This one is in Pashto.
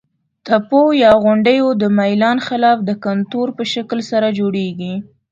تپو یا غونډیو د میلان خلاف د کنتور په شکل سره جوړیږي.